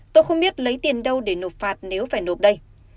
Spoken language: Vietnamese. tôi không biết lấy tiền đâu để nộp phạt nếu phải nộp đây